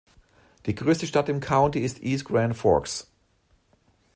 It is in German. Die größte Stadt im County ist East Grand Forks.